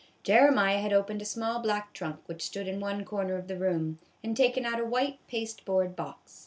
Jeremiah had opened a small black trunk which stood in one corner of the room, and taken out a white pasteboard box.